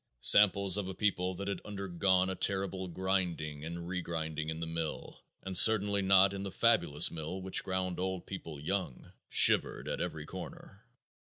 Samples of a people that had undergone a terrible grinding and regrinding in the mill, and certainly not in the fabulous mill which ground old people young, shivered at every corner....